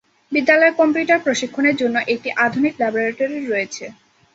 বিদ্যালয়ে কম্পিউটার প্রশিক্ষণের জন্য একটি আধুনিক ল্যাবরেটরি রয়েছে।